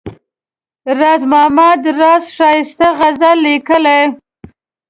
راز محمد راز ښایسته غزل لیکله.